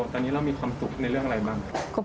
ตอนนี้เรามีความสุขในเรื่องอะไรบ้างครับ